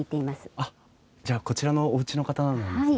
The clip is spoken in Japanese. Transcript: あっじゃあこちらのおうちの方なんですね。